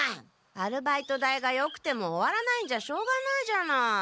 アルバイト代がよくても終わらないんじゃしょうがないじゃない。